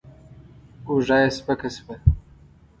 اوږه يې سپکه شوه.